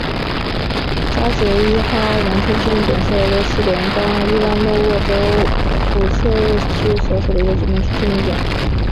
扎捷伊哈农村居民点是俄罗斯联邦伊万诺沃州普切日区所属的一个农村居民点。